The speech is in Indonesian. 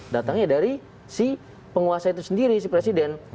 datangnya dari si penguasa itu sendiri si presiden